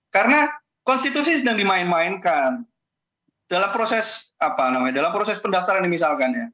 karena konstitusi sedang dimainkan dalam proses pendaftaran misalkan